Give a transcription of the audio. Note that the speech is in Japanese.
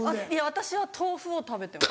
私は豆腐を食べてます。